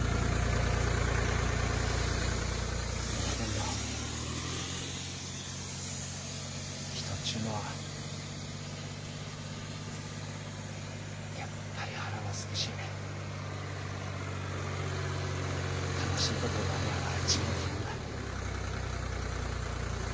ふんだけんど人っちゅうのはやっぱり腹はすくし楽しい事がありゃあ笑っちもう生き物だ。